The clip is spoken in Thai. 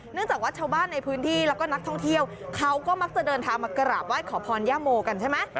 จากว่าชาวบ้านในพื้นที่แล้วก็นักท่องเที่ยวเขาก็มักจะเดินทางมากราบไหว้ขอพรย่าโมกันใช่ไหม